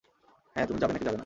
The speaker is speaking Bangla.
হ্যাঁ, তুমি যাবে নাকি যাবে না?